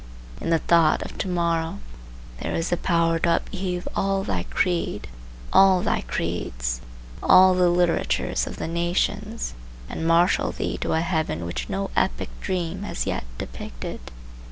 In the thought of to morrow there is a power to upheave all thy creed, all the creeds, all the literatures of the nations, and marshal thee to a heaven which no epic dream has yet depicted.